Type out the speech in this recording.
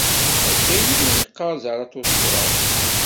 Akka i yella yeqqaṛ Zarathustra.